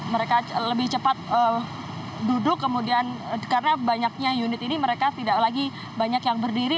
mereka lebih cepat duduk kemudian karena banyaknya unit ini mereka tidak lagi banyak yang berdiri